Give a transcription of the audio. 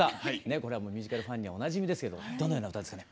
これはもうミュージカルファンにはおなじみですけどどのような歌ですかね？